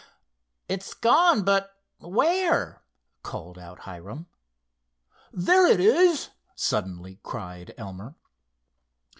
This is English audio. "It's gone, but where?" called out Hiram. "There it is," suddenly cried Elmer.